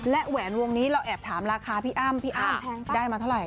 และแหวนวงนี้เราแอบถามราคาพี่อ้ามได้มาเท่าไหร่